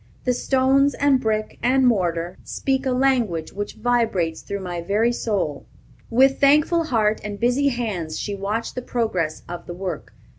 "The stones and brick and mortar speak a language which vibrates through my very soul." "With thankful heart and busy hands she watched the progress of the work.